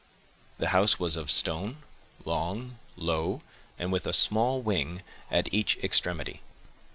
The house was of stone, long, low, and with a small wing at each extremity.